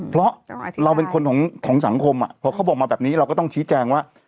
เพราะเราเป็นคนของสังคมพอเขาบอกมาแบบนี้เราก็ต้องชี้แจงว่า